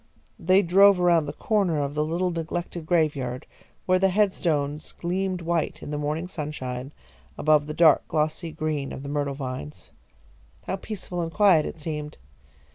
They drove around the corner of the little neglected graveyard, where the headstones gleamed white in the morning sunshine, above the dark, glossy green of the myrtle vines. How peaceful and quiet it seemed.